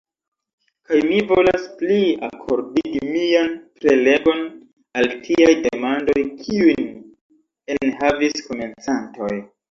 Kaj mi volas pli akordigi mian prelegon al tiaj demandoj, kiujn enhavis komencantoj.